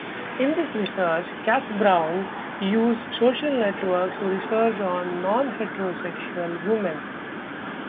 In this research, Kath Browne used social networks to research non-heterosexual women.